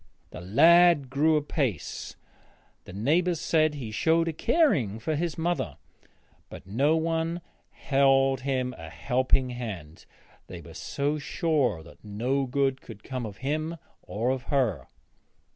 The lad grew apace. The neighbours said that he showed 'a caring' for his mother, but no one held toward him a helping hand. They were so sure that no good could come of him or of her.